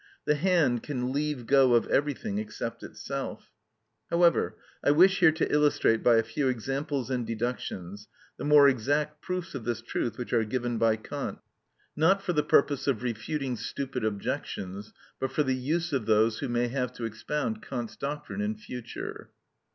The hand can leave go of everything except itself. However, I wish here to illustrate by a few examples and deductions the more exact proofs of this truth which are given by Kant, not for the purpose of refuting stupid objections, but for the use of those who may have to expound Kant's doctrine in future.